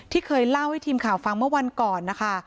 เคยเล่าให้ทีมข่าวฟังเมื่อวันก่อนนะคะ